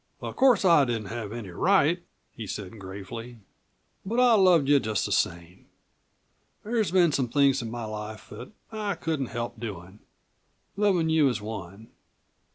"Of course I didn't have any right," he said gravely, "but I loved you just the same. There's been some things in my life that I couldn't help doin'. Lovin' you is one.